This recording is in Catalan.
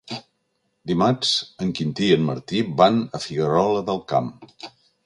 Dimarts en Quintí i en Martí van a Figuerola del Camp.